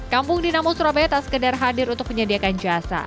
kampung dinamo surabaya tak sekedar hadir untuk menyediakan jasa